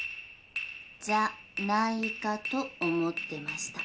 じゃないかと思ってました。